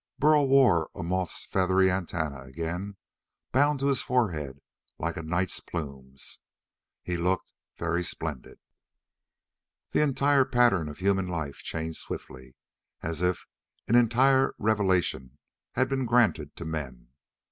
Burl wore a moth's feathery antenna again, bound to his forehead like a knight's plumes. He looked very splendid. The entire pattern of human life changed swiftly, as if an entire revelation had been granted to men.